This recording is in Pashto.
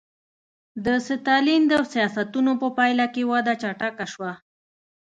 د ستالین د سیاستونو په پایله کې وده چټکه شوه